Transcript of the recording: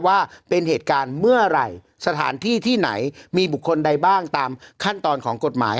ว่าเป็นเหตุการณ์เมื่อไหร่สถานที่ที่ไหนมีบุคคลใดบ้างตามขั้นตอนของกฎหมาย